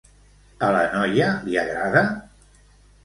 A la noia li agrada?